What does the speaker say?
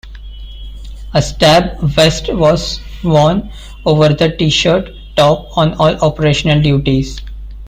A stab vest was worn over the T-shirt top on all operational duties.